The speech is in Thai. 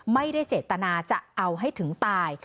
ไม่ได้เจตนาจะเอาให้ถึงตาย